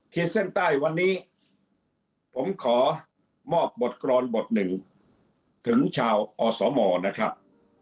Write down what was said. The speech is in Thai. เส้นใต้วันนี้ผมขอมอบบทกรอนบทหนึ่งถึงชาวอสมนะครับ